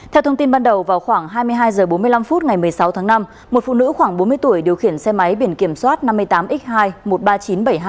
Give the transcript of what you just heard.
theo thông tin ban đầu vào khoảng hai mươi hai h bốn mươi năm phút ngày một mươi sáu tháng năm một phụ nữ khoảng bốn mươi tuổi điều khiển xe máy biển kiểm soát năm mươi tám x hai một mươi ba nghìn chín trăm bảy mươi hai